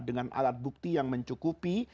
dengan alat bukti yang mencukupi